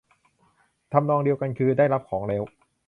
ทำนองเดียวกันคือ ได้รับของแล้ว